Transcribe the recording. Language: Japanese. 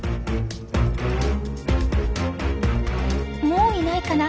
もういないかな？